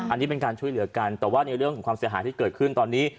อันนี้เป็นการช่วยเหลือกันแต่ว่าในเรื่องของความเสียหายที่เกิดขึ้นตอนนี้